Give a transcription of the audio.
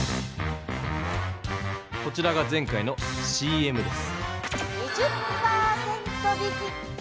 こちらが前回のＣＭです。